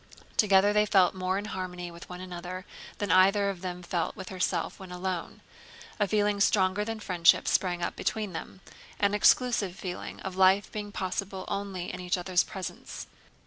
Together they felt more in harmony with one another than either of them felt with herself when alone. A feeling stronger than friendship sprang up between them; an exclusive feeling of life being possible only in each other's presence.